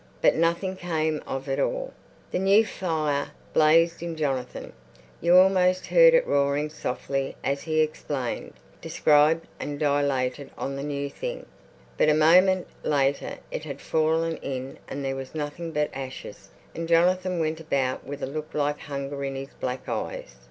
But nothing came of it all. The new fire blazed in Jonathan; you almost heard it roaring softly as he explained, described and dilated on the new thing; but a moment later it had fallen in and there was nothing but ashes, and Jonathan went about with a look like hunger in his black eyes.